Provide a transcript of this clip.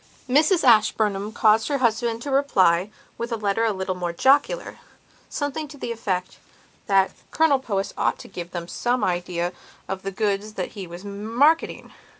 Mrs Ashburnham caused her husband to reply, with a letter a little more jocularsomething to the effect that Colonel Powys ought to give them some idea of the goods that he was marketing.